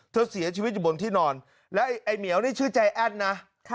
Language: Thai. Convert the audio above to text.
เธอเสียชีวิตอยู่บนที่นอนแล้วไอ้เหมียวนี่ชื่อใจแอ้นนะ